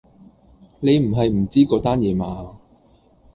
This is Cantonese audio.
你唔係唔知嗰單野嘛？